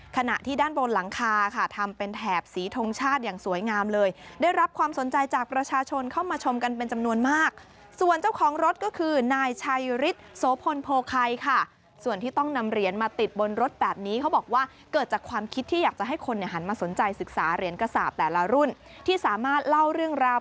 ขณะที่ด้านบนหลังคาค่ะทำเป็นแถบสีทงชาติอย่างสวยงามเลยได้รับความสนใจจากประชาชนเข้ามาชมกันเป็นจำนวนมากส่วนเจ้าของรถก็คือนายชัยฤทธิ์โสพลโพคัยค่ะส่วนที่ต้องนำเหรียญมาติดบนรถแบบนี้เขาบอกว่าเกิดจากความคิดที่อยากจะให้คนเนี่ยหันมาสนใจศึกษาเหรียญกระสาปแต่ละรุ่นที่สามารถเล่าเรื่องราว